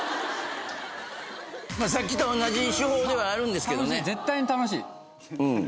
まあさっきと同じ手法ではあるんですけどね。